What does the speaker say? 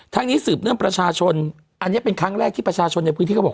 นี้สืบเนื่องประชาชนอันนี้เป็นครั้งแรกที่ประชาชนในพื้นที่เขาบอก